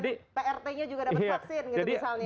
dan prt nya juga dapat vaksin gitu misalnya